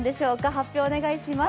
発表をお願いします。